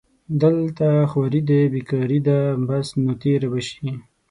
دلته خواري دې بېکاري ده بس نو تېره به شي